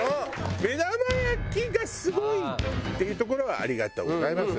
「目玉焼きがすごい」っていうところはありがとうございます。